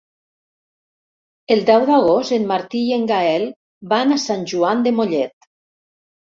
El deu d'agost en Martí i en Gaël van a Sant Joan de Mollet.